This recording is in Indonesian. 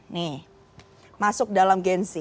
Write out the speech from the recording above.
nih masuk dalam gen z